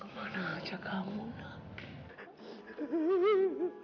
kemana jaga amunah